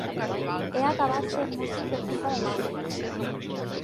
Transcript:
He acabat sent músic per culpa d’això.